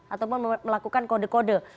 ataupun melakukan kode kode